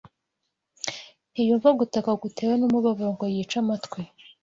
Ntiyumva gutaka gutewe n’umubabaro ngo yice amatwi